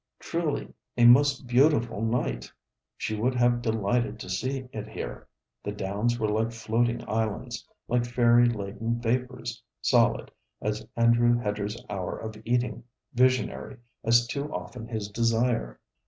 Truly a most beautiful night! She would have delighted to see it here. The Downs were like floating islands, like fairy laden vapours; solid, as Andrew Hedger's hour of eating; visionary, as too often his desire!